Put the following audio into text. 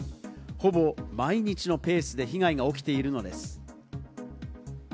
ほぼ毎日のペースで被害が起きているのです。